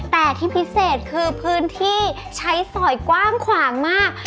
แต่ที่พิเศษคือพื้นที่ใช้สอยกว้างขวางมาก